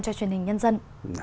cho truyền hình nhân dân